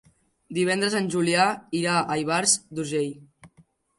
Divendres en Julià irà a Ivars d'Urgell.